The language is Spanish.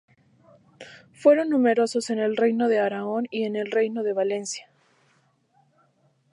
Fueron numerosos en el Reino de Aragón y en el Reino de Valencia.